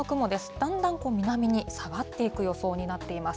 だんだん南に下がっていく予想になっています。